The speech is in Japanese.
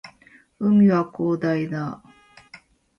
海は広大だ